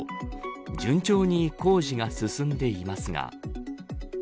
順調に工事が進んでいますが。